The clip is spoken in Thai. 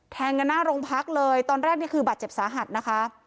แทงกันหน้าโรงพักเลยตอนแรกนี่คือบาดเจ็บสาหัสนะคะ